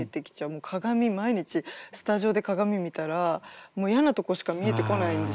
もう鏡毎日スタジオで鏡見たらもう嫌なとこしか見えてこないんですよ。